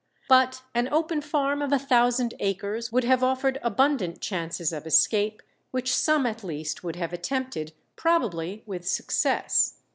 But an open farm of a thousand acres would have offered abundant chances of escape, which some at least would have attempted, probably with success.